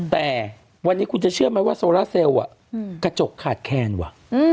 แต่วันนี้คุณจะเชื่อไหมว่าโซล่าเซลล์กระจกขาดแคนว่ะ